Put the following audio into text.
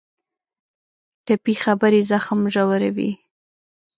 ټپي خبرې زخم ژوروي.